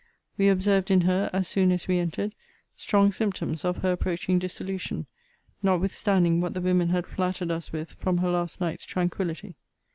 We observed in her, as soon as we entered, strong symptoms of her approaching dissolution, notwithstanding what the women had flattered us with from her last night's tranquillity.